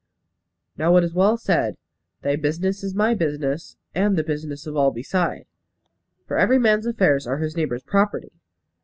Now it is well said, "Thy business is my business, and the business of all beside;" for every man's affairs are his neighbours' property.